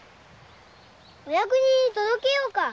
お役人に届けようか。